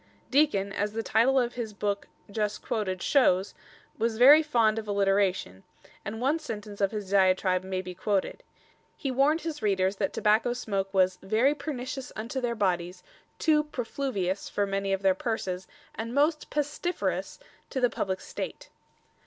Deacon, as the title of his book just quoted shows, was very fond of alliteration, and one sentence of his diatribe may be quoted. He warned his readers that tobacco smoke was "very pernicious unto their bodies, too profluvious for many of their purses, and most pestiferous to the publike State."